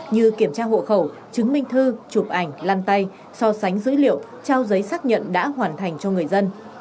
như kiểm tra hộ khẩu chứng minh thư chụp ảnh lăn tay so sánh dữ liệu trao giấy xác nhận đã hoàn thành cho người dân